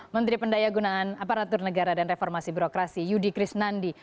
menteri pendaya gunaan aparatur negara dan reformasi birokrasi yudi krisnandi